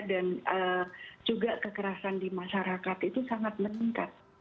dan juga kekerasan di masyarakat itu sangat meningkat